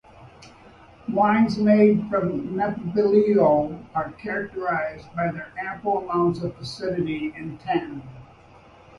Wines made from Nebbiolo are characterized by their ample amounts of acidity and tannin.